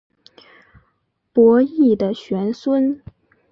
伯益的玄孙。